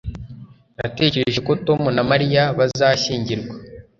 natekereje ko tom na mariya bazashyingirwa